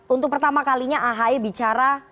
untuk pertama kalinya ahy bicara